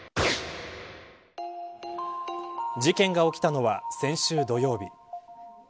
事件が起きたのは先週土曜日。